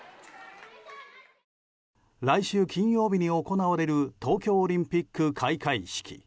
来週金曜日に行われる東京オリンピック開会式。